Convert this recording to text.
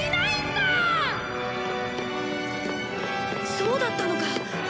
そうだったのか！